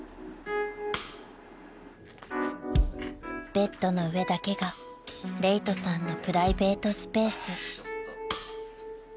［ベッドの上だけが礼人さんのプライベートスペース］